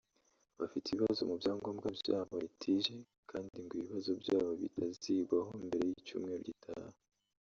bafite ibibazo mu byangombwa byabo (Litige) kandi ngo ibibazo byabo bitazigwaho mbere y’icyumweru gitaha